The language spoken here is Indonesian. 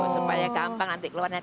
supaya gampang nanti keluarnya